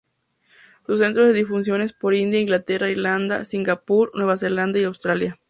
Sus centros se difundieron por India, Inglaterra, Irlanda, Singapur, Nueva Zelanda y Australia.